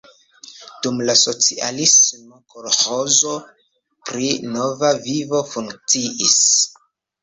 Dum la socialismo kolĥozo pri Nova Vivo funkciis.